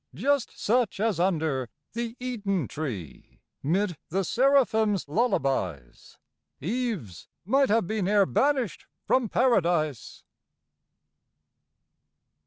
Just such as under the Eden Tree, 'Mid the seraphim's lullabies. Eve's might have been ere banished from Paradise.